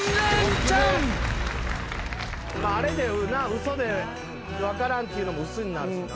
あれで分からんって言うのも嘘になるしな。